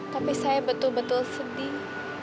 tapi saya betul betul sedih